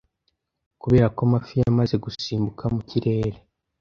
Kubera ko amafi yamaze gusimbuka mu kirere